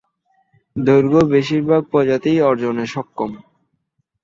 দৈর্ঘ্য বেশিরভাগ প্রজাতিই অর্জনে সক্ষম।